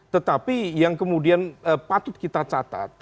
tetapi yang kemudian patut kita catat